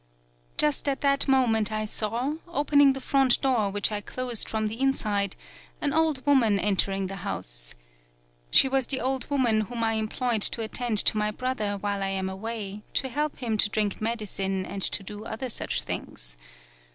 "Just at that moment I saw, opening the front door which I closed from 27 PAULOWNIA the inside, an old woman entering the house. She was the old woman whom I employed to attend to my brother while I am away, to help him to drink medicine and to do other such things.